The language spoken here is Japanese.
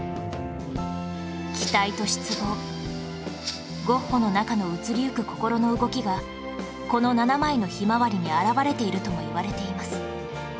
期待と失望ゴッホの中の移りゆく心の動きがこの７枚の『ひまわり』に表れているともいわれています